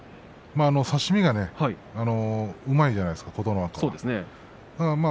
差し身がうまいじゃないですか琴ノ若。